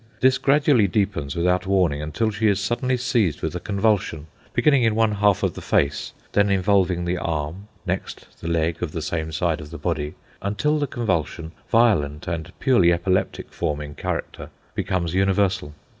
This gradually deepens without warning, until she is suddenly seized with a convulsion, beginning in one half of the face, then involving the arm, next the leg of the same side of the body, until the convulsion, violent and purely epileptic form in character, becomes universal.